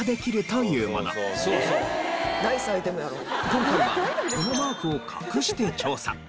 今回はこのマークを隠して調査。